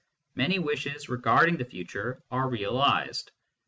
many wishes regarding the future are realised.